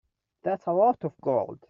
That's a lot of gold.